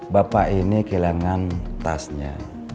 bapak ini kehilangan tasnya